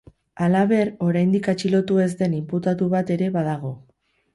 Halaber, oraindik atxilotu ez den inputatu bat ere badago.